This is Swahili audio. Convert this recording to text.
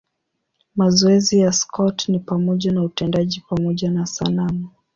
Mazoezi ya Scott ni pamoja na utendaji pamoja na sanamu.